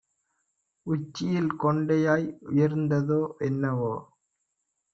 உச்சியில் கொண்டையாய் உயர்ந்ததோ என்னவோ!